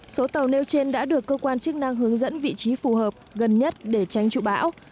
số tàu nêu trên đã được cơ quan chức năng hướng dẫn vị trí phù hợp gần nhất để tránh trụ bão